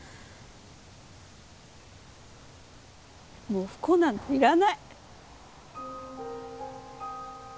もう不幸なんていらない。